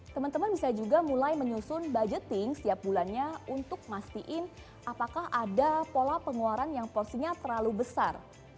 teman teman bisa juga mulai menyusun budgeting setiap bulannya untuk mastiin apakah ada pola pengeluaran yang porsinya terlalu besar